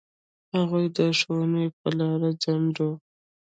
هغوی د ښوونې په لاره خنډ و.